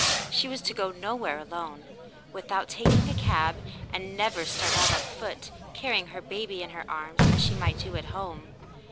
She was to go nowhere alone, without taking a cab, and never start out on foot, carrying her baby in her arms, as she might do at home.